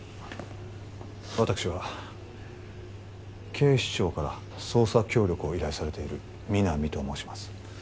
私は警視庁から捜査協力を依頼されている皆実と申します